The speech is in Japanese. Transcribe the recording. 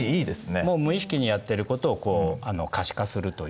もう無意識にやってることを可視化するという。